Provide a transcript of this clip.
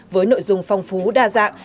với nội dung phong phú đa dạng